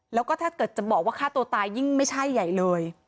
แล้วก็ถ้าเกิดจะบอกว่าฆ่าตัวตายยิ่งไม่ใช่ใหญ่เลย